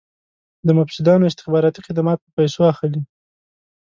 د مفسدانو استخباراتي خدمات په پیسو اخلي.